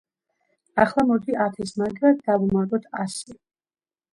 ახლა მოდი ათის მაგივრად დავუმატოთ ასი.